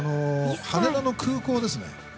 羽田の空港ですね。